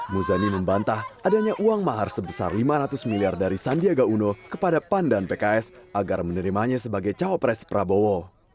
muzani membantah adanya uang mahar sebesar lima ratus miliar dari sandiaga uno kepada pan dan pks agar menerimanya sebagai cawapres prabowo